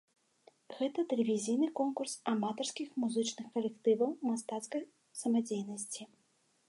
Гэта тэлевізійны конкурс аматарскіх музычных калектываў мастацкай самадзейнасці.